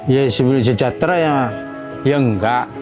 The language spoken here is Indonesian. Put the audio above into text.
ya sebelum sejahtera ya enggak